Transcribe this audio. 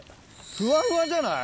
ふわふわじゃない？